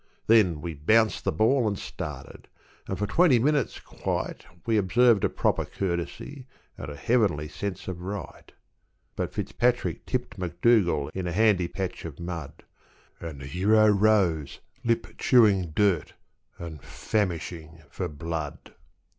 Then we bounced the ball and started, and for twenty minutes quite We observed a proper courtesy and a heavenly sense of right, But Fitzpatrick tipped McDougal in a handy patch of mud, And the hero rose lip, chewing dirt, and famishing for blood.